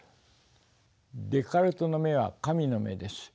デカルトの目は神の目です。